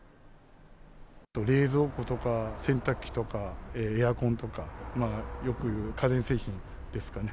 冷蔵庫とか洗濯機とか、エアコンとか、よくいう家電製品ですかね。